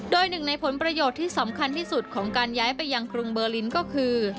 โดยหนึ่งในผลประโยชน์ที่สำคัญที่สุดของการย้ายไปยังกรุงเบอร์ลินก็คือ